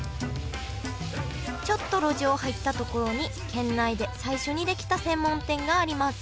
ちょっと路地を入った所に県内で最初に出来た専門店があります